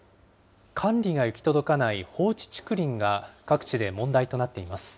管理が行き届かない放置竹林が、各地で問題となっています。